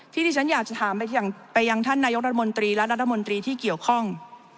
ที่ที่ฉันอยากจะถามไปยังท่านนายกรัฐมนตรีและรัฐมนตรีที่เกี่ยวข้อง